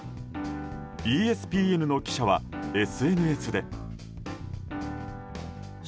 ＥＳＰＮの記者はＳＮＳで。